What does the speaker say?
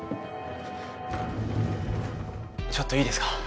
ちょっといいですか？